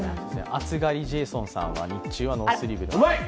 暑がりジェイソンさんは、日中はノースリーブだと。